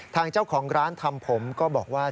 ทางเจ้าของร้านทำผมก็บอกว่า